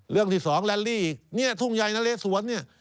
เรื่องที่๒แรลลี่ทุ่งใหญ่นะเลสวนนี่